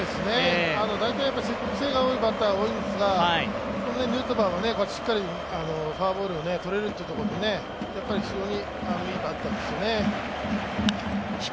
大体、積極性が多いバッターが多いんですが、ヌートバーはしっかりフォアボールとれるというところで非常にいいバッターですよね。